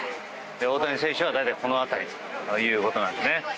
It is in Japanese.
大谷選手は大体この辺りということですね。